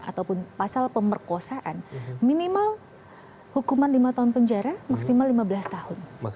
ataupun pasal pemerkosaan minimal hukuman lima tahun penjara maksimal lima belas tahun